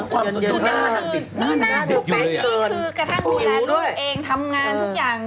คือน่าดูแป๊กที่คือกระทั่งเวลาลูกเองทำงานทุกอย่าง